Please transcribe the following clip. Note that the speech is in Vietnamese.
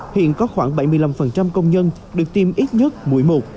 hiện có khoảng bảy mươi năm công nhân được tiêm ít nhất mỗi một